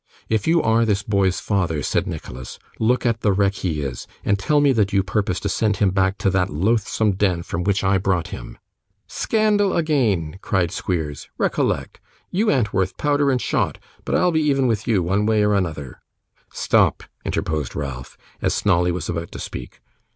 'If you are this boy's father,' said Nicholas, 'look at the wreck he is, and tell me that you purpose to send him back to that loathsome den from which I brought him.' 'Scandal again!' cried Squeers. 'Recollect, you an't worth powder and shot, but I'll be even with you one way or another.' 'Stop,' interposed Ralph, as Snawley was about to speak.